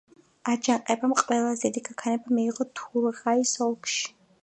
აჯანყებამ ყველაზე დიდი გაქანება მიიღო თურღაის ოლქში.